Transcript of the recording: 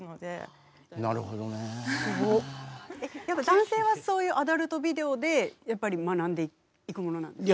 やっぱ男性はそういうアダルトビデオでやっぱり学んでいくものなんですか？